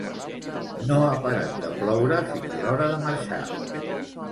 No ha parat de ploure fins l'hora de marxar